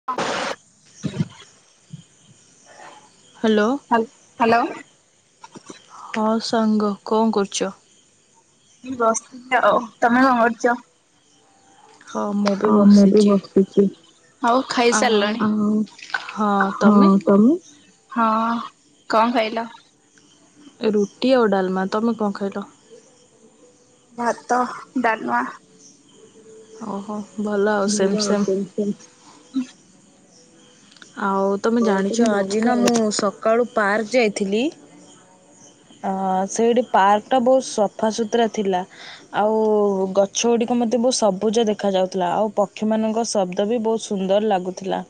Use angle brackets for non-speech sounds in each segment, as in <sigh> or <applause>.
<inaudible> Hello. ହାଲ୍ hello. ହଁ ସାଙ୍ଗ କଣ କରୁଚ। ମୁଁ ବସିିଥିନି ଆଉ ତମେ କଣ କରୁଚ। ହଁ ମୁଁ ବି ଅଁ ମୁଁ ବି ବସିଛି। ବସିଚି। ହଉ ଆଉ ଖାଇସାରିଲଣି ଅଁ ହଁ ତମେ। ହଁ କଣ ଖାଇଲ। ରୁଟି ଆଉ ଡାଲ୍ମା ତମେ କଣ ଖାଇଲ। ଭାତ ଡାଲ୍ମା ଓହୋ ଭଲ ଆଉ ସେମ ସେମ୍। <inaudible> ଆଉ ତମେ ଜାଣିଛ ଆଜି ନା ମୁଁ ସକାଳୁ ପାର୍କ ଯାଇଥିଲି। ଅ ସେଇଠି ପାର୍କ ଟା ବହୁତ୍ ସଫା ସୁତୁରା ଥିଲା। ଆଉ ଗଛ ଗୁଡିକ ମତେ ବହୁତ ସବୁଜ ଦେଖା ଯାଉଥିଲା, ଆଉ ପକ୍ଷୀ ମାନଙ୍କ ଶବ୍ଦ ବି ବହୁତ୍ ସୁନ୍ଦର୍ ଲାଗୁଥିଲା।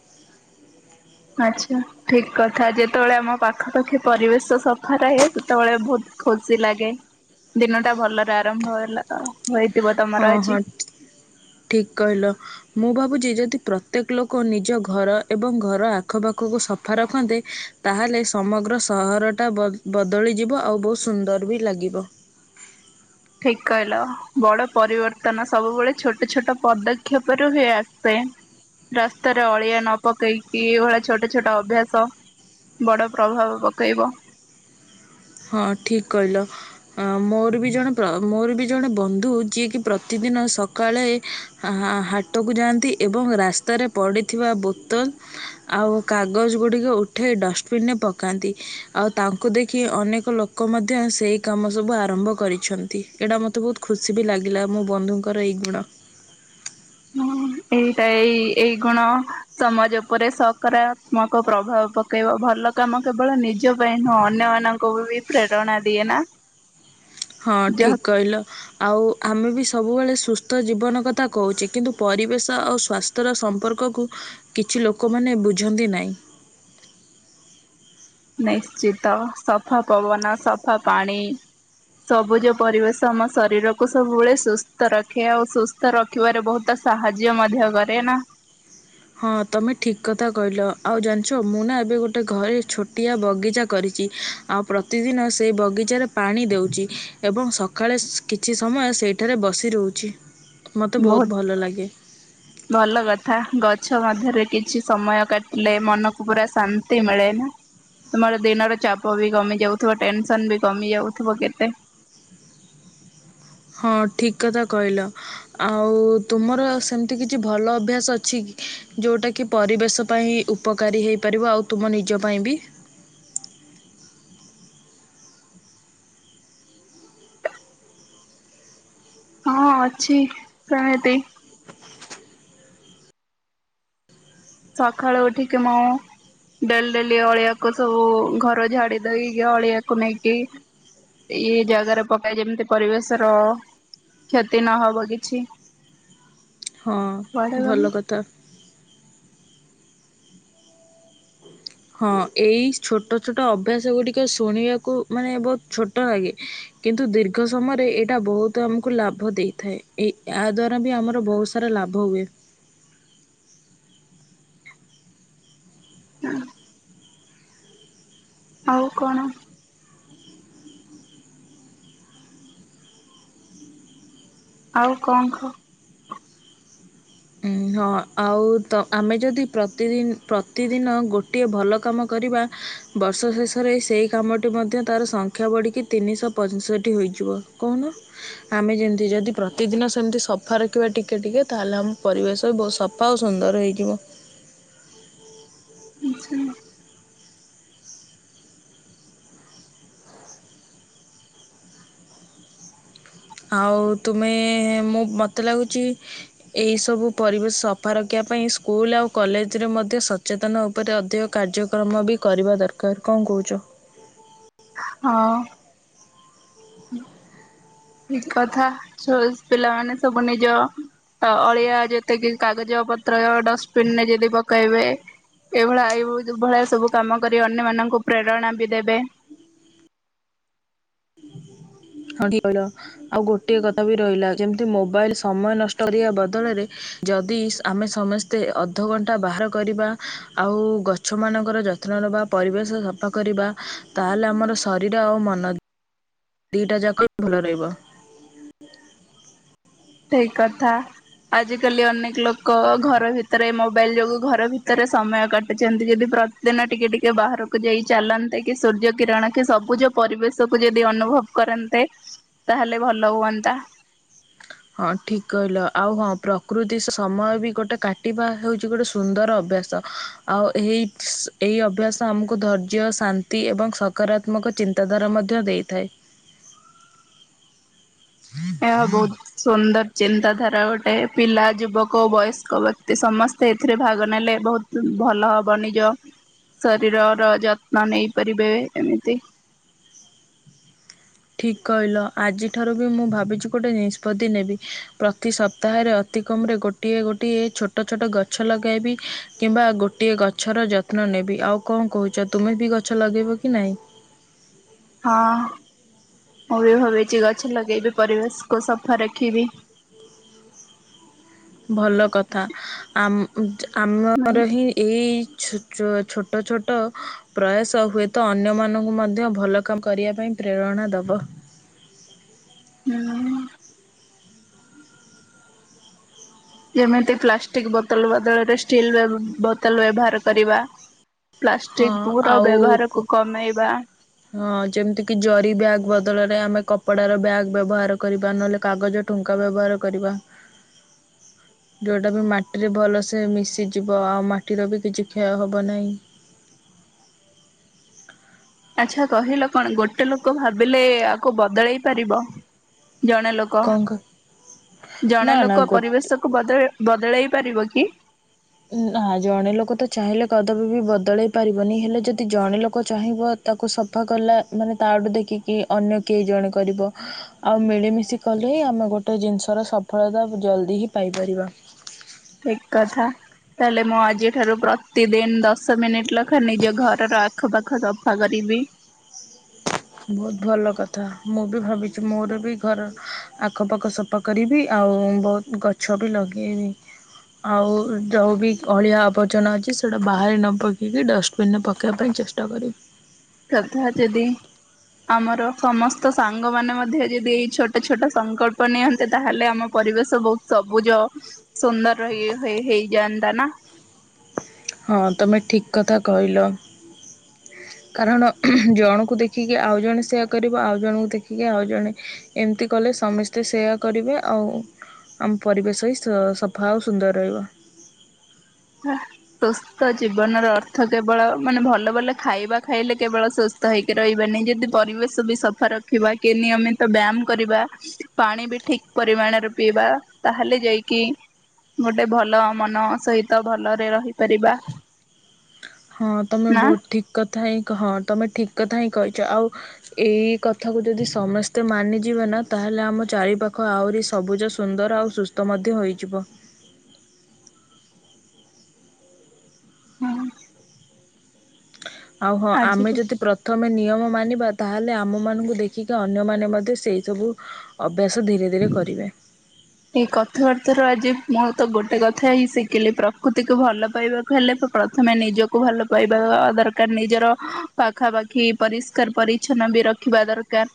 ଆଚ୍ଛା, ଠିକ୍ କଥା ଯେତେବେଳେ ଆମ ପାଖ ପାାଖି ପରିବେଶ ସଫା ରହେ, ସେତେବେଳେ ଭୁତ୍ ଖୁସି ଲାଗେ। ଦିନ ଟା ଭଲରେ ଆରମ୍ଭ ହେଲା ତ। ହୋଇଥିବ ତମ୍ ହଁ ହଁ ଠିକ କହିଲ। ମୁଁ ଭାବୁଛି ଯଦି ପ୍ରତ୍ୟେକ ଲୋକ ନିଜ ଘର ଏବଂ ଘର ଆଖପାଖକୁ ସଫା ରଖନ୍ତେ ତାହେଲେ ସମଗ୍ର ସହରଟା ବ ବଦଳିଯିବ ଆଉ ବହୁତ ସୁନ୍ଦର ବି ଲାଗିବ। ଠିକ କହିଲ ବଡ ପରିବର୍ତ୍ତନ ସବୁବେଳେ ଛୋଟ ଛୋଟ ପଦକ୍ଷେପ ରୁ ହିଁ ଆସେ। ରାସ୍ତାରେ ଅଳିଆ ନ ପକେଇକି ଏଇଭଳିଆ ଛୋଟ ଛୋଟ ଅଭ୍ୟାସ ବଡ଼ ପ୍ରଭାବ ପକେଇବ। ହଁ ଠିକ୍ କହିଲ। ଅ ମୋର ବି ଜଣେ ପ୍ର ମୋର ବି ଜଣେ ବନ୍ଧୁ ଯିଏକି ପ୍ରତିଦିନ ସକାଳେ ହାଁ ହାଁ ହାଟକୁ ଯାଆନ୍ତି ଏବଂ ରାସ୍ତାରେ ପଡ଼ିଥିବା ବୋତଲ ଆଉ କାଗଜ ଗୁଡିକ ଉଠେଇ ଡଷ୍ଟବିନ ରେ ପକାନ୍ତି ଆଉ ତାଙ୍କୁ ଦେଖି ଅନେକ କ ଲୋକ ମଧ୍ୟ ସେଇ କାମ ସବୁ ଆରମ୍ଭ କରିଛନ୍ତି ଏଇଟା ମତେ ବହୁତ ଖୁସି ବି ଲାଗିଲା ମୋ ବନ୍ଧୁଙ୍କୁ ଙ୍କର ଏଇ ଗୁଣ। ହୁଁ ଏଇଟା ଏଇ ଏଇ ଗୁଣ ସମାଜ ଉପରେ ସକାରାତ୍ମକ ପ୍ରଭାବ ପ କେଇବ ଭଲ କାମ କେବଳ ନିଜ ପାଇଁ ନୁହଁ ଅନ୍ୟମାନଙ୍କୁ ବି ପ୍ରେରଣା ଦିଏ ନା। <inaudible> ହଁ ଯାହା ଠିକ କହିଲ! ଆଉ ଆମେ ବି ସବୁବେଳେ ସୁସ୍ଥ ଜୀବନ କଥା କହୁଛେ କିନ୍ତୁ ପରିବେଶ ଆଉ ସ୍ୱାସ୍ଥ୍ୟ ର ସମ୍ପର୍କକୁ କିଛି ଲୋକମାନେ ବୁଝନ୍ତି ନାହିଁ। ନିଶ୍ଚିତ ସଫା ପବନ ସଫା ପାଣି ସବୁଜ ପରିବେଶ ଆମ ଶରୀରକୁ ସବୁବେଳେ ସୁସ୍ଥ ରଖେ ଆଉ ସୁ ସ୍ଥ ରଖିବାରେ ବହୁତ ସାହାଯ୍ୟ ମଧ୍ୟ କରେ ନା। ହଁ ତମେ ଠିକ୍ କଥା କହିଲ ଆଉ ଜାଣିଚ ମୁଁ ନା ଏବେ ଗୋଟେ ଘରେ ଛୋ ଟିଆ ବଗିଚା କରିଚି ଆଉ ପ୍ରତିଦିନ ସେଇ ବଗିଚାରେ ପାଣି ଦେଉଚି। ଏବଂ ସକାଳେ ସ୍ କିଛି ସମୟ ସେଠାରେ ବସିରହୁଚି ମତେ ବହୁତ ବହୁତ୍ ଭଲ ଲାଗେ। ଭଲ କଥା ଗଛ ମଧ୍ୟରେ କିଛି ସମୟ କାଟିଲେ ମନକୁ ପୁରା ଶାନ୍ତି ମିଳେ ନା। ତୁମର ଦିନର ଚାପ ବି କମି ଯାଉଥିବ ଟେନସନ ବି କମି ଯାଉଥିବ କେତେ। ହଁ ଠିକ କଥା କହିଲ। ଆଉ ତୁମର ସେମିତି କିଛି ଭଲ ଅଭ୍ୟାସ ଅଛି ଯେଉଟା କିି ପରିବେଶ ପାଇଁ ଉପକାରୀ ହେଇପାରିବ ଆଉ ତୁମ ନିଜ ପାଇଁ ବି। ହଁ ଅଛି ସେମିତି। ସକାଳୁ ଉଠିକି ମୁଁ ଡେଲି ଡେଲି ଅଳିଆକୁ ସବୁ ଘର ଝାଡି ଦେଇକି ଅଳିଆକୁ ନେଇକି ଏଇ ଜାଗାରେ ପକାଏ ଯେମିତି ପରିବେଶର କ୍ଷତି ନ ହବ କିିଛି। ହଁ ଗଲେ ଭଲ କଥା। <inaudible> ହଁ ଏଇ ଛୋଟ ଛୋଟ ଅଭ୍ୟାସ ଗୁଡିକ ଶୁଣିବାକୁ ମାନେ ବହୁତ ଛୋଟ ଲାଗେ କିନ୍ତୁ ଦୀର୍ଘ ସମୟରେ ଏଇଟା ବହୁତ ଆମକୁ ଲାଭ ଦେଇଥାଏ ଏ ଏହା ଦ୍ଵାରା ବି ଆମର ବହୁ ସା ରା ଲାଭ ହୁଏ। ହୁଁ। ଆଉ କଣ। ଆଉ କଣ ଖ ଉ ହଁ ଆଉ ତ ଆମେ ଯଦି ପ୍ରତିଦି ପ୍ରତିଦିନ ଗୋଟିଏ ଭଲ କାମ କରିବା ବର୍ଷ ଶେଷରେ ସେହି କାମଟି ମଧ୍ୟ ତାର ସଂଖ୍ୟା ବଢ଼ିକି ତିନିଶହ ପଞ୍ଚଷଠି ହୋଇଯିବ କହୁନ। ଆମେ ଯେମତି ଯଦି ପ୍ରତିଦିନ ସେମତି ସଫା ରଖିବା ଟିକେ ଟିକେ ତାହେଲେ ଆମ ପରିବେଶ ତ ବହୁତ ସଫା ଆଉ ସୁନ୍ଦର ହେଇଯିବ। ଆଚ୍ଛା। ଆଉ ତୁମେ ମୁଁ ମତେ ଲାଗୁଚି ଏହି ସବୁ ପରିବେଶ ସଫା ରଖିବା ପାଇଁ ସ୍କୁଲ ଆଉ କଲେଜରେ ମଧ୍ୟ ସଚେତନ ଉପରେ ଅଧିକ କାର୍ଯ୍ୟକ୍ରମ ବି କରିବା ଦରକାର କଣ କହୁଚ। ହଁ। ଠିକ କଥା <unintelligible> ପିଲାମାନୋ ସବୁ ନିଜ ଅ ଅଳିଆ ଯେତେକି କାଗଜ ପତ୍ର ଡଷ୍ଟବିନରେ ଯଦି ପକାଇବେ। ଏଇଭଳିଆ <unintelligible> ଭଳିଆ ସବୁ କାମ କରି ଅନ୍ୟ ମାନଙ୍କୁ ପ୍ରେରଣା ବି ଦେବେ। ହଁ ଠିକ <unintelligible> ଆଉ ଗୋଟିଏ କଥା ବି ରହିଲା ଯେମତି ମୋବାଇଲ ସମୟ ନଷ୍ଟ କରିବା ବଦଳରେ ଯଦି ଆମେ ସମସ୍ତେ ଅଧଘଣ୍ଟା ବାହାର କରିବା ଆଉ ଗ ଛମାନଙ୍କର ଯତ୍ନ ନବା ପରିବେଶ ସଫା କରିବା ତାହେଲେ ଆମର ଶରୀର ଆଉ ମନ ଦିଟା ଯାକ <unintelligible> ଭଲ ରହିବ। ଠିକ୍ କଥା। ଆଜିକାଲି ଅନେକ ଲୋକୋ ଘର ଭିତରେ ମୋବାଇଲ ଯୋଗୁ ଘର ଭିତରେ ସମୟ କାଟୁଚନ୍ତି ଯଦି ପ୍ର ଦିନ ଟିକେ ଟିକେ ବାହାରକୁ ଯାଇ ଚାଲନ୍ତେ କି ସୂର୍ଯ୍ୟ କିରଣ କି ସବୁଜ ପରିବେଶକୁ ଯଦି ଅନୁଭବ କରନ୍ତେ ତାହେଲେ ଭଲ ହୁଅନ୍ତା। ହଁ ଠିକ କହିଲ ଆଉ ହଁ ପ୍ରକୃତି ସ ସମୟ ବି ଗୋଟେ କାଟିବା ହେଉଚି ଗୋଟେ ସୁନ୍ଦର ଅଭ୍ୟାସ। ଆଉ ଏହି ଏଇ ଅଭ୍ୟାସ ଆମୁକୁ ଧୈର୍ଯ୍ୟ ଶାନ୍ତି ଏବଂ ସ କରାତ୍ମକ ଚିନ୍ତାଧାରା ମଧ୍ୟ ଦେଇଥାଏ। ଏହା ବୋହୁତ ସୁନ୍ଦର ଚିନ୍ତାଧାରା ଗୋଟେ ପିଲା ଯୁବକ ଓ ବୟସ୍କ ବ୍ୟକ୍ତି ସମସ୍ତେ ଏଥିରେ ଭାଗ ନେଲେ ବୋହୁତ ଭଲ ହବ ନିଜ ଶରୀରର ଯତ୍ନ ନେଇପାରିବେ ଏମିତି ଠିକ୍ କହିଲ ଆଜିଠାରୁ ବି ମୁଁ ଭାବିଛି ଗୋଟଏ ନିଷ୍ପତ୍ତି ନେବି ପ୍ରତି ସପ୍ତାହରେ ଅତି କମରେ ଗୋ ଟିଏ ଗୋଟିଏ ଛୋଟୋ ଛୋଟୋ ଗଛ ଲଗାଇବି କିମ୍ବା ଗୋଟିଏ ଗଛର ଯ ତ୍ନ ନେବି ଆଉ କଁ କୋହୁଚ ତୁମେ ବି ଗଛ ଲଗେଇବ କି ନାଇଁ। ହଁ। ମୁଁ ବି ଭାବିଛି ଗଛ ଲଗେଇବି ପରିବେଶ କୁ ସଫା ରଖିବି। <inaudible> ଭଲ କଥା <unintelligible> ହୁଁ ଆମର ହିଁ ଏଇ <unintelligible> ଛୋଟୋ ଛୋଟୋ ପ୍ରୟାସ ହୁଏତ ଅନ୍ୟମାନଙ୍କୁ ମଧ୍ୟ ଭଲ କାମ୍ କରିବା ପାଇଁ ପ୍ରେରଣା ଦବ। ହୁଁ। ଯେମିତି ପ୍ଲାଷ୍ଟିକ ବୋତୋଲ ବଦଳରେ ଷ୍ଟିଲ୍ <unintelligible> ବୋତୋଲ ବ୍ୟବହାର କରିବା। ହଁ ପ୍ଲାଷ୍ଟିକ <unintelligible> ଆଉ ବ୍ୟବହାରକୁୁ କମେଇବା। ହଁ ଯେମିତି କିି ଜରି ବ୍ୟାଗ ବଦଳରେ ଆମେ କପଡ ର ବ୍ୟାଗ୍ ବ୍ୟବହାର କରିବା ନହେଲେ କାଗଜ <unintelligible> ବ୍ୟବହାର କରିବା। <inaudible> ଯେଉଁଟା ବି ମାଟିରେ ଭଲସେ ମିଶିଯିବ ଆଉ ମାଟିର ବି କିଛି କ୍ଷୟ ହବ ନାଇଁ। ଆଚ୍ଛା କହିଲ କଣ ଗୋଟେ ଲୋକୋ ଭାବିଲେ ଆକୁ ବଦଳେଇ ପାରିବ ଜଣେ ଲୋ କ ନା ଜଣେ ନା ଲୋକୋ ଗୋ ପରିବେଶକୁୁ ବଦଳେ ବଦଳେଇ ପାରିବ କି? ନାଃ ଜଣେ ଲୋକୋ ତ ଚାହିଁଲେ କଦାପୀ ବି ବଦଳେଇ ପାରିବନି ହେଲେ ଯଦି ଜଣେ ଲୋକୋ ଚାହିଁବ ତାକୁ ସଫା କଲା ମାନେ ତା <unintelligible> ଦେଖିକି ଅନ୍ୟ କେହି ଜଣେ କରିବ। ଆଉ ମିଳିମିଶି କଲେ ହିଁ ଆମେ ଗୋଟେ ଜିନିଷର ସଫଳତା ଜଲ୍ଦି ହିଁ ପାଇପାରିବା। ଠିକ କଥା ତାହେଲେ ମୁଁ ଆଜିଠାରୁ ପ୍ରତିଦିନ ଦଶ ଶ ମିନିଟ୍ <unintelligible> ନିଜ ଘରର ଆଖପାଖ ସଫା କରିବି। ବୋହୁତ ଭଲ କଥା ମୁଁ ବି ଭାବିଛି ମୋରୋ ବି ଘର ଆଖପାଖ ସପା କରିବି ଆଉ ବୋହୁତ ଗଛ ବି ଲଗେଇବି। ଆଉ ଯଉ ବି ଅଳିଆ ଆବର୍ଜନା ଅଛି ସେଟା ବାହାରେ ନ ପକେଇକି ଡଷ୍ଟବିନ ରେ ପକେଇବା ପାଇଁ ଚେଷ୍ <unintelligible> <unintelligible> ଯଦି ଆମର ସମସ୍ତ ସାଙ୍ଗମାନୋ ମଧ୍ୟ ଯଦି ଏଇ ଛୋଟୋ ଛୋଟୋ ସଂକଳ୍ପ ନିଅନ୍ତେ ତାହେଲେ ଆମ ପରିବେଶ ବୋହୁ ସବୁଜ ସୁନ୍ଦର <unintelligible> ହେଇଯାଆନ୍ତି ନା। ହଁ ତମେ ଠିକ କଥା କହିଲ। କାରଣ ଜଣକୁ ଦେଖିକି ଆଉ ଜଣେ ସେୟା କରିବ ଆଉ ଜଣଙ୍କୁ ଦେଖିକି ଆଉ ଜଣେ ଏମିତି କଲେ ସମସ୍ତେ ସେୟା କରିବେ। ଆଉ ଆମ ପରିବେଶ ହିଁ ସଫା ଆଉ ସୁନ୍ଦର ରହିବ। ସୁସ୍ଥ ଜୀବନ ର ଅର୍ଥ କେବଳ ମାନେ ଭଲ ଭଲ ଖାଇବା ଖାଇଲେ କେବଳ ସୁସ୍ଥ ହେଇକି ରହିବାନି। ଯଦି ପରିବେଶ ବି ସଫା ରଖିବା କି ନିୟମିତ ବ୍ୟାୟାମ କରିବା ପାଣି ବି ଠିକ ପରିମାଣରେ ପିଇବା, ତାହେଲେ ଯାଇକି ଗୋଟେ ଭଲ ମନ ସହିତ ଭଲରେ ରହିପାରିବା। ହଁ ତମେ ନା ବହୁତ ଠିକ କଥା ହିଁ ହଁ ତମେ ଠିକ କଥା ହିଁ କହିଛ। ଆଉ ଏଇ କଥାକୁ ଯଦି ସମସ୍ତେ ମାନିଯିବେ ନା, ତାହେଲେ ଆମ ଚାରି ପାାଖ ଆହୁରି ସବୁଜ ସୁନ୍ଦର ଆଉ ସୁସ୍ଥ ମଧ୍ୟ ହୋଇଯିବ। ହୁଁ। ଆଉ ହଁ ଆମେ ଯଦି ପ୍ର ପ୍ରଥମେ ନିୟମ ମାନିବା ତାହେଲେ ଆମ ମାନଙ୍କୁ ଦେଖିକି ଅନ୍ୟମାନେ ମଧ୍ୟ ସେଇ ସବୁ ଅଭ୍ୟାସ ଧୀରେ ଧୀରେ କରିବେ। ଏଇ କଥାବାର୍ତ୍ତା ରୁ ଆଜି ମୁଁ ତ ଗୋଟେ କଥା ହିଁ ଶିଖିଲି, ପ୍ରକୃତିକୁ ଭଲ ପାଇବା ହେଲେ ତ ପ୍ରଥମେ ନିଜକୁ ଭଲ ପାଇବା ଦରକାର। ନିଜର ପାଖାପାଖି ପରିଷ୍କାର ପରିଚ୍ଛନ୍ନ ବି ରଖିବା ଦରକାର।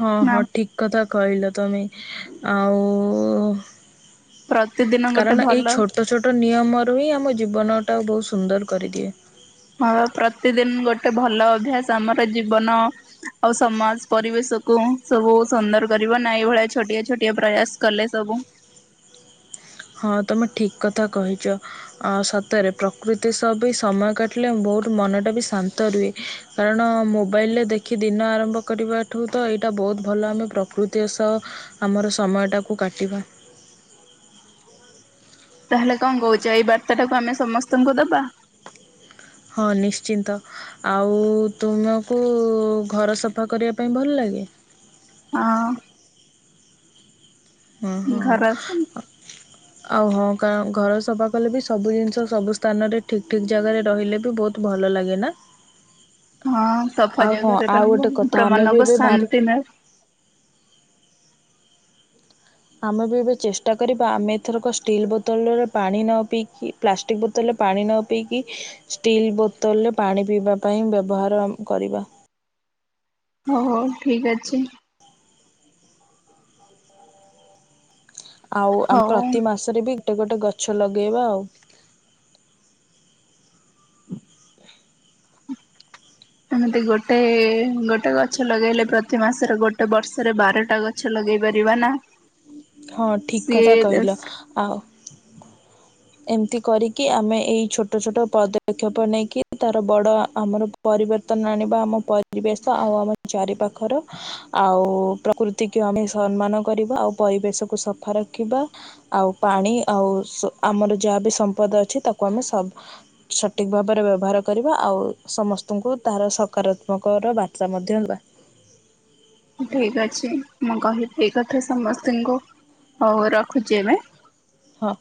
ହଁ ନା ହଁ ଠିକ କଥା କହିଲ ତମେ। ଆଉ ପ୍ରତିଦିନ ଗୋଟେ କାରଣ ଏଇ ଭଲ ଛୋଟ ଛୋଟ ନିୟମରୁ ହିଁ ଆମ ଜୀବନ ଟା ବହୁତ ସୁନ୍ଦର କରିଦିଏ। ହଁ ପ୍ରତିଦିନ ଗୋଟେ ଭଲ ଅଭ୍ୟାସ ଆମର ଜୀବନ ଆଉ ସମାଜ, ପରିବେଶ କୁ ସବୁ ସୁନ୍ଦର କରିବ ନା ଏଇ ଭଳିଆ ଛୋଟିଆ ଛୋଟିଆ ପ୍ରୟାସ କଲେ ସବୁ। ହଁ ତମେ ଠିକ କଥା କହିଛ। ଆଉ ସତରେ ପ୍ରକୃତି ସହ ବି ସମୟ କାଟିଲେ ବହୁତ ମନଟା ବି ଶାନ୍ତ ରୁହେ। କାରଣ ମୋବାଇଲରେ ଦେଖି ଦିନ ଆରମ୍ଭ କରିବାଠୁ ତ ଏଇଟା ବହୁତ ଭଲ, ଆମେ ପ୍ରକୃତିର ସହ ଆମର ସମୟଟାକୁ କାଟିବା। ତାହେଲେ କଣ କହୁଛ ଏଇ ବାର୍ତ୍ତା ଟାକୁ ଆମେ ସମସ୍ତଙ୍କୁ ଦବା? ହଁ ନିଶ୍ଚିନ୍ତ। ଆଉ ତୁମକୁ ଘର ସଫା କରିବା ପାଇଁ ଭଲ ଲାଗେ? ହଁ। ଓଁ ଘର ଅଛି। ହଁ। <inaudible> ଆଉ ହଁ କ ଘର ସଫା କଲେ ବି ସବୁ ଜିନିଷ ସବୁ ସ୍ଥାନରେ ଠିକ୍ ଠିକ୍ ଜାଗାରେ ରହିଲେ ବି ବହୁତ ଭଲ ଲାଗେ ନା? ହଁ ସଫା ଆଉ ହଁ ଜାଗା ରେ ଆଉ ରହିଲେ ଗୋଟେ କଥା ପୁରା ଆମେ ବି ମନକୁ ଏବେ ଭାବ ଶାନ୍ତି ମିଳେ। ଆମେ ବି ଏବେ ଚେଷ୍ଟା କରିବା ଆମେ ଏଥରକ ଷ୍ଟିଲ୍ ବୋତଲରେ ପାଣି ନ ପିଇକି ପ୍ଲାଷ୍ଟିକ୍ ବୋତଲରେ ପାଣି ନ ପିଇକି ଷ୍ଟିଲ୍ ବୋତଲରେ ପାଣି ପିଇବା ପାଇଁ ବ୍ୟବହାର ଆମେ କରିବା। ହଉ ହଉ ଠିକ ଅଛି। ଆଉ ଆମେ ହଉ। ପ୍ରତି ମାସରେ ବି ଗୋଟେ ଗୋଟେ ଗଛ ଲଗେଇବା ଆଉ। ଏମିତି ଗୋଟେ ଗୋଟେ ଗଛ ଲଗେଇଲେ ପ୍ରତି ମାସରେ ଗୋଟେ ବର୍ଷରେ ବାରଟା ଗଛ ଗଛ ଲଗେଇ ପାରିବା ନା। ହଁ ଠିକ କଥା ସିଏ କହିଲ ଆଉ ଏମିତି କରିକି ଆମେ ଏଇ ଛୋଟ ଛୋଟ ପଦକ୍ଷେପ ନେଇକି ତାର ବଡ଼ ଆମର ପରିବର୍ତ୍ତନ ଆଣିବା ଆମ ପରିବେଶ ଆଉ ଆମ ଚାରିପାଖର। ଆଉ ପ୍ରକୃତିକୁ ଆମେ ସମ୍ମାନ କରିବା ଆଉ ପରିବେଶକୁୁ ସଫା ରଖିବା। ଆଉ ପାଣି ଆଉ ଆମର ଯାହା ବି ସମ୍ପଦ ଅଛି ତାକୁ ଆମେ ସବ ସଠିକ୍ ଭାବରେ ବ୍ୟବହାର କରିବା ଆଉ ସମସ୍ତଙ୍କୁ ତାହାର ସକାରାତ୍ମକର ବାର୍ତ୍ତା ମଧ୍ୟ ଦେବା। ଠିକ ଅଛି ମୁଁ କହିବି କଥା ସମସ୍ତଙ୍କୁ, ହଉ ରଖୁଛି ଏବେ। ହଁ।